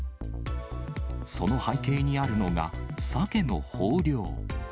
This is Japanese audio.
その背景にあるのが、サケの豊漁。